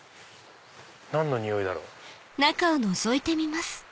何の匂いだろう？